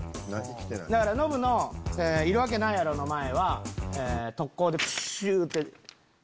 だからノブの「いるわけないやろ」の前は特効でプシュって。